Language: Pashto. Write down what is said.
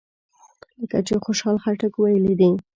لکه چې خوشحال خټک ویلي دي.